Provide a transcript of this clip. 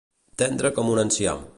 Tendre com un enciam.